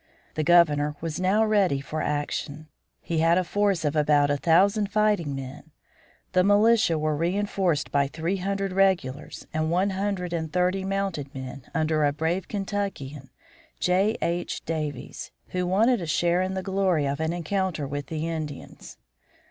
The Governor was now ready for action. He had a force of about a thousand fighting men. The militia were reinforced by three hundred regulars, and one hundred and thirty mounted men, under a brave Kentuckian, J. H. Daveiss, who wanted a share in the glory of an encounter with the Indians.